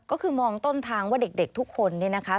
ก็คือมองต้นทางว่าเด็กทุกคน